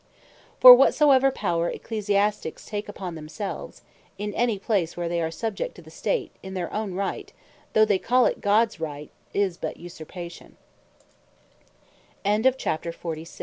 For whatsoever Power Ecclesiastiques take upon themselves (in any place where they are subject to the State) in their own Right, though they call it Gods Right, is but Us